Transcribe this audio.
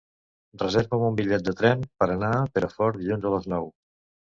Reserva'm un bitllet de tren per anar a Perafort dilluns a les nou.